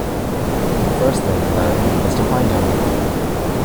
The first thing, then, is to find him.